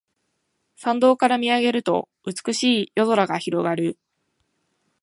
山道から見上げると美しい夜空が広がる